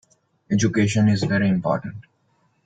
Education is very important.